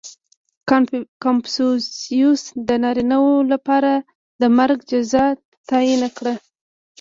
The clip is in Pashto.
• کنفوسیوس د نارینهوو لپاره د مرګ جزا تعیین کړه.